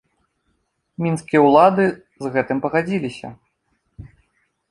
Мінскія ўлады з гэтым пагадзіліся.